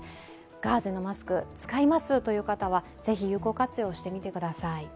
ガーゼのマスク、使いますという方はぜひ有効活用してみてください。